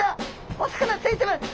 お魚ついてます！